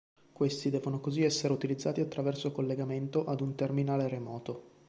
Questi devono così essere utilizzati attraverso un collegamento ad un terminale remoto.